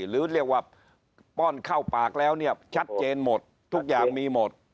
หรือเรียกว่าป้อนเข้าปากแล้วเนี่ยชัดเจนหมดทุกอย่างมีหมด